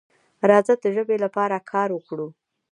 راځه د ژبې لپاره کار وکړو.